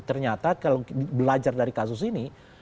ternyata kalau belajar dari kasus ini